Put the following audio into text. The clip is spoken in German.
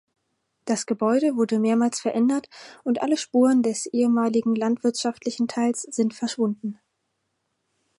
Das Gebäude wurde mehrmals verändert und alle Spuren des ehemaligen landwirtschaftlichen Teils sind verschwunden.